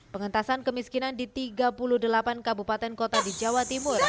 pengentasan kemiskinan di tiga puluh delapan kabupaten kota di jawa timur